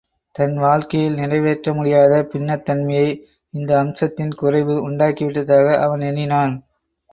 தன் வாழ்க்கையில் நிறைவேற்ற முடியாத பின்னத்தன்மையை, இந்த அம்சத்தின் குறைவு உண்டாக்கி விட்டதாக அவன் எண்ணினான்.